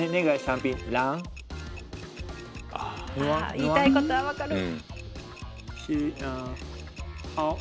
あ言いたいことは分かる。